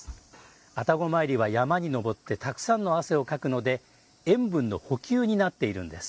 愛宕詣りは山に登ってたくさんの汗をかくので塩分の補給になっているんです。